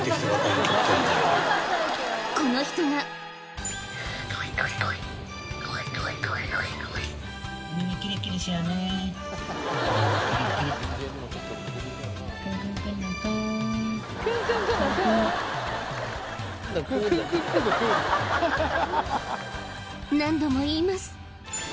この人が何度も言います